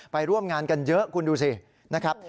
ไปร่วมงานกันเยอะคุณดูสินะครับ